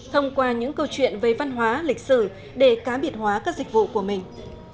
thông qua những câu chuyện về văn hóa lịch sử để cá biệt hóa các dịch vụ của mình